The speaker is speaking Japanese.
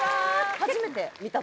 初めて見た時？